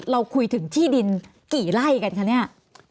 เราคุยถึงที่ดินกี่ไร่กันคะเนี่ย